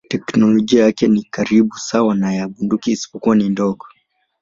Teknolojia yake ni karibu sawa na ya bunduki isipokuwa ni ndogo.